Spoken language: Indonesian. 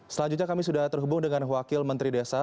selanjutnya kami sudah terhubung dengan wakil menteri desa